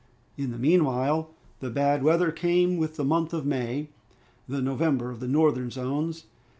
In the meanwhile, the bad weather came with the month of May, the November of the northern zones.